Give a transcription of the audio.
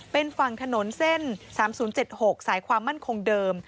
เป็นฝั่งถนนเส้น๓๐๗๖สายความมั่นคงเดิม